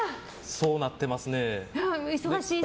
そうなってますね。